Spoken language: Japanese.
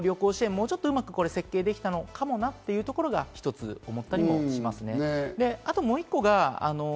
もうちょっとうまく設計できたのかもかっていうのが一つ思ったりもします。